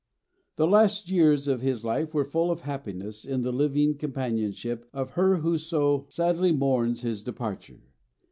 "The last years of his life were full of happiness in the living companionship of her who so sadly mourns his departure.